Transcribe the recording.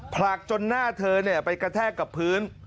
ผลักจนหน้าเธอไปกระแทกกับพื้น